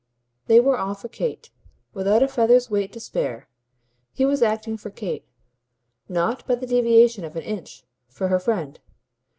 They were all for Kate, without a feather's weight to spare. He was acting for Kate not, by the deviation of an inch, for her friend.